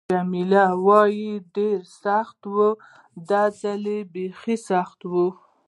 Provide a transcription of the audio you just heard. جميلې وويل:: ډېر سخت و، دا ځل بیخي سخت و.